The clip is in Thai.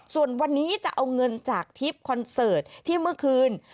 ส่วนวันนี้จะเอาเงินจากทริปคอนเสิร์ตที่เมื่อคืน